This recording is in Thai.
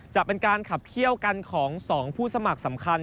จะเป็นการขับเขี้ยวกันของ๒ผู้สมัครสำคัญ